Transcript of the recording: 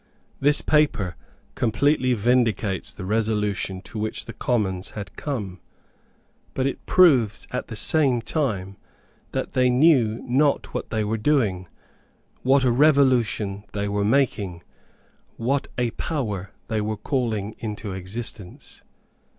This paper completely vindicates the resolution to which the Commons had come. But it proves at the same time that they knew not what they were doing, what a revolution they were making, what a power they were calling into existence.